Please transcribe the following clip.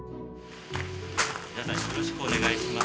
よろしくお願いします。